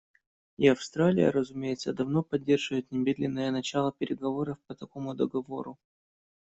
И Австралия, разумеется, давно поддерживает немедленное начало переговоров по такому договору.